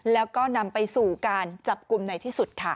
แล้วก็นำไปสู่การจับกลุ่มในที่สุดค่ะ